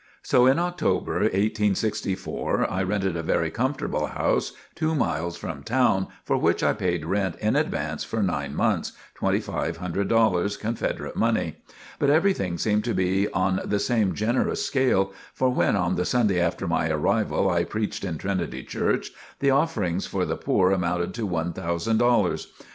So in October, 1864, I rented a very comfortable house two miles from town, for which I paid rent in advance for nine months twenty five hundred dollars, Confederate money. But everything seemed to be on the same generous scale, for when on the Sunday after my arrival, I preached in Trinity Church, the offerings for the poor amounted to one thousand dollars.